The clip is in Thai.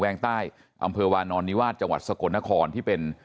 วงใต้อำเภอวานอนนิวาสจังหวัดสกลนครที่เป็น